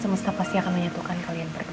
semesta pasti akan menyatukan kalian berdua